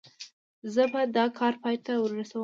زه به دا کار پای ته ورسوم.